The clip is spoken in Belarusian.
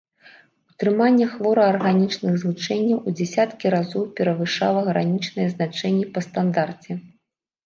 Утрыманне хлорарганічных злучэнняў у дзясяткі разоў перавышала гранічныя значэнні па стандарце.